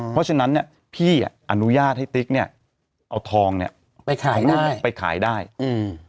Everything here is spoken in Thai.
เพราะฉะนั้นเนี้ยพี่อ่ะอนุญาตให้ติ๊กเนี้ยเอาทองเนี้ยไปขายหน้าไปขายได้อืม